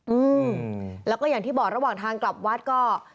อืมแล้วก็อย่างที่บอกระหว่างทางกลับวัดก็